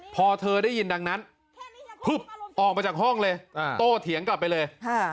พอเธอได้ยินดังนั้นพึบออกมาจากห้องเลยโตเถียงกลับไปเลย